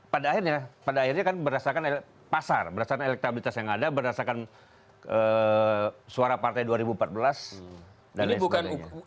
pada akhirnya pada akhirnya kan berdasarkan pasar berdasarkan elektabilitas yang ada berdasarkan suara partai dua ribu empat belas